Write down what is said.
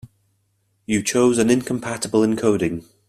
You chose an incompatible encoding.